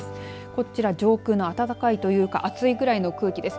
こちら上空の暖かいというか暑いぐらいの空気です。